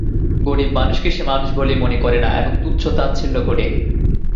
গরীব মানুষকে সে মানুষ বলেই মনে করে না এবং তুচ্ছ-তাচ্ছিল্য করে।